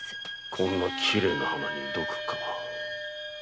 こんなきれいな花に毒か。